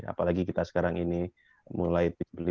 apalagi kita sekarang ini mulai lima tahun ini